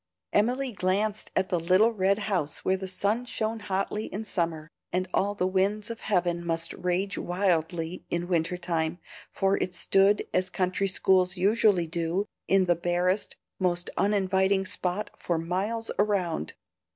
Emily glanced at the little red house where the sun shone hotly in summer, and all the winds of heaven must rage wildly in winter time, for it stood, as country schools usually do, in the barest, most uninviting spot for miles around.